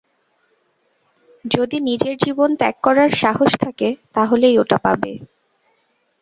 যদি নিজের জীবন ত্যাগ করার সাহস থাকে, তাহলেই ওটা পাবে।